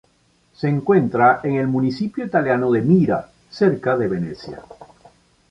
Se encuentra en el municipio italiano de Mira, cerca de Venecia.